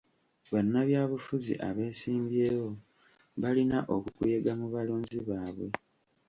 Bannabyabufuzi abeesimbyewo balina okukuyega mu balonzi baabwe.